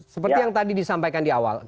seperti yang tadi disampaikan di awal